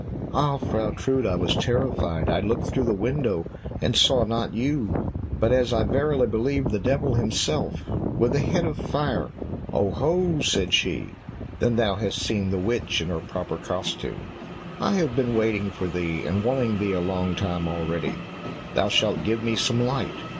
"Ah, Frau Trude, I was terrified; I looked through the window and saw not you, but, as I verily believe, the devil himself with a head of fire." "Oho!" said she, "then thou hast seen the witch in her proper costume. I have been waiting for thee, and wanting thee a long time already; thou shalt give me some light."